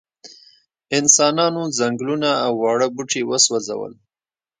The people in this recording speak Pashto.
انسانانو ځنګلونه او واړه بوټي وسوځول.